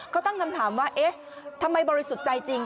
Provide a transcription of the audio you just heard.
ก็ตั้งคำถามว่าเอ๊ะทำไมบริสุทธิ์ใจจริง